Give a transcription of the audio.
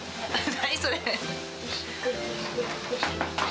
何それ。